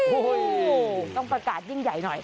โอ้โหต้องประกาศยิ่งใหญ่หน่อย